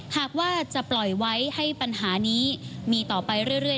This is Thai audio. หากว่าจะปล่อยไว้ให้ปัญหานี้มีต่อไปเรื่อย